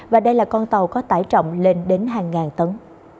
và đây là con tàu có tải trọng lên đến hàng ngàn tấn